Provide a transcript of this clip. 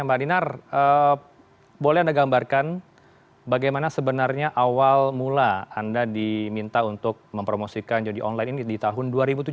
mbak dinar boleh anda gambarkan bagaimana sebenarnya awal mula anda diminta untuk mempromosikan judi online ini di tahun dua ribu tujuh belas